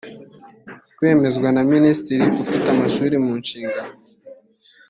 kwemezwa na minisitiri ufite amashuri munshingano